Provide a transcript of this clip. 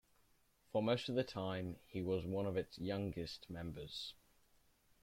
For most of the time, he was one of its youngest members.